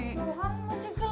tuhan masih gelap